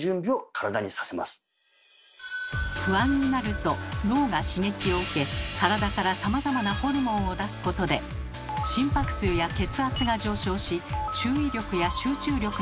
それは脳が刺激を受け体からさまざまなホルモンを出すことで心拍数や血圧が上昇し注意力や集中力が高まります。